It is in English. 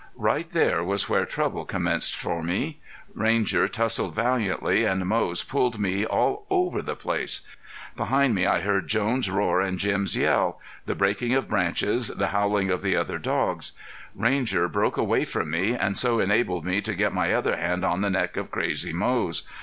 Right there was where trouble commenced for me. Ranger tussled valiantly and Moze pulled me all over the place. Behind me I heard Jones' roar and Jim's yell; the breaking of branches, the howling of the other dogs. Ranger broke away from me and so enabled me to get my other hand on the neck of crazy Moze.